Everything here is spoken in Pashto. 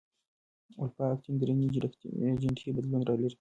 الفا اکتینین درې جینیټیکي بدلون لري.